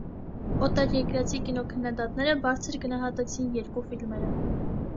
Օտարերկրացի կինոքննադատները բարձր գնահատեցին երկու ֆիլմերը։